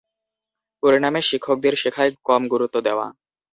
পরিণামে শিক্ষকদের শেখায় কম গুরুত্ব দেওয়া।